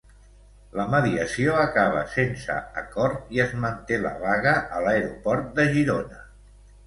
La mediació acaba sense acord i es manté la vaga a l'aeroport de Girona.